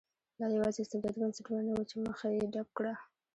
دا یوازې استبدادي بنسټونه نه وو چې مخه یې ډپ کړه.